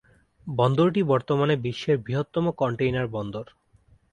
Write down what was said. বন্দরটি বর্তমানে বিশ্বের বৃহত্তম কন্টেইনার বন্দর।